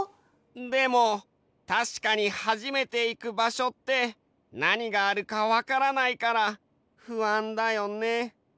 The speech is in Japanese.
でもたしかに初めていく場所ってなにがあるかわからないから不安だよね。